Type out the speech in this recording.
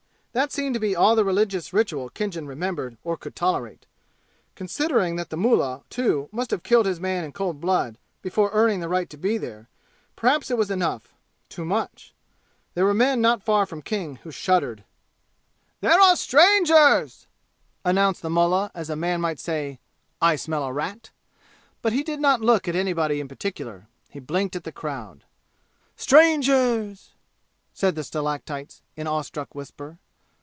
That seemed to be all the religious ritual Khinjan remembered or could tolerate. Considering that the mullah, too, must have killed his man in cold blood before earning the right to be there, perhaps it was enough too much. There were men not far from King who shuddered. "There are strangers!" announced the mullah, as a man might say, "I smell a rat!" But he did not look at anybody in particular; he blinked at the crowd. "Strangers!" said the stalactites, in an awe struck whisper.